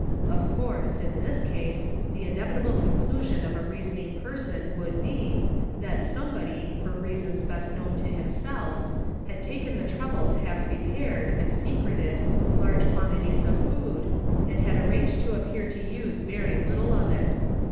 Of course, in this case, the inevitable conclusion of a reasoning being would be, that somebody, for reasons best known to liimself, had taken the trouble to have prepared, and secreted, large quantities of food, and had arranged to ap pear to us(; very little of it.